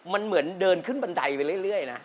มันเหมือนเดินขึ้นบันไดไปเรื่อยนะ